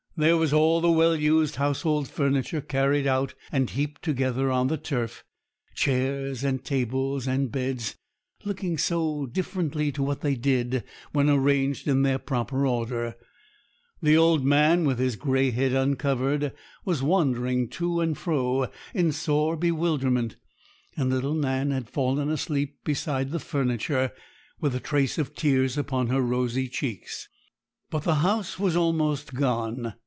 There was all the well used household furniture carried out and heaped together on the turf, chairs and tables and beds, looking so differently to what they did when arranged in their proper order. The old man, with his grey head uncovered, was wandering to and fro in sore bewilderment; and little Nan had fallen asleep beside the furniture, with the trace of tears upon her rosy cheeks. But the house was almost gone.